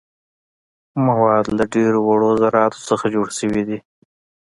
مواد له ډیرو وړو ذراتو څخه جوړ شوي دي.